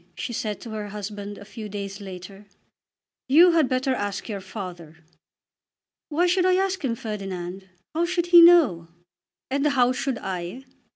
she said to her husband a few days later. "You had better ask your father." "Why should I ask him, Ferdinand? How should he know?" "And how should I?"